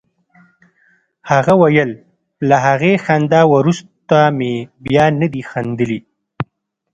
هغه ویل له هغې خندا وروسته مې بیا نه دي خندلي